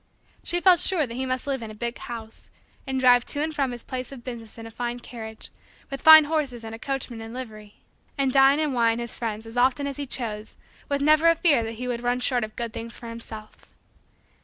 She felt sure that he must live in a big house, and drive to and from his place of business in a fine carriage, with fine horses and a coachman in livery, and dine and wine his friends as often as he chose with never a fear that he would run short of good things for himself.